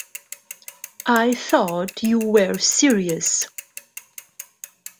I thought you were serious!